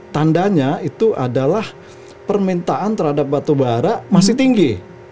tandanya itu adalah permintaan terhadap batubara masih tinggi